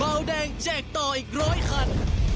เบาแดงแจกต่ออีกร้อยคัน